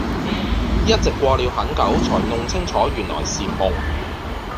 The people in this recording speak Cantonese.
一直過了很久才弄清楚原來是夢